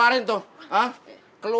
terima kasih pak joko